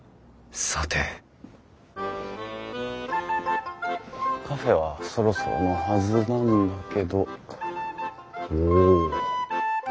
さてカフェはそろそろのはずなんだけどおお。